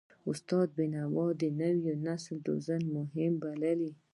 استاد بینوا د نوي نسل روزنه مهمه بلله.